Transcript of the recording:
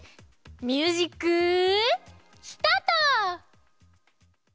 ミュージックスタート！